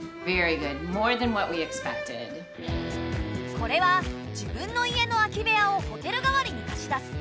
これは自分の家の空き部屋をホテル代わりに貸し出す民泊。